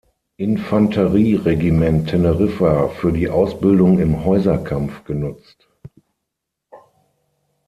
Infanterieregiment Teneriffa für die Ausbildung im Häuserkampf genutzt.